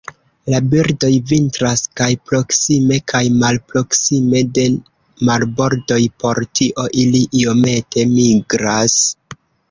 La birdoj vintras kaj proksime kaj malproksime de marbordoj, por tio ili iomete migras.